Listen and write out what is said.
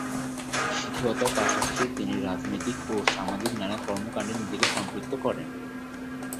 শিক্ষকতার পাশাপাশি তিনি রাজনৈতিক ও সামাজিক নানা কর্মকান্ডে নিজেকে সম্পৃক্ত করেন।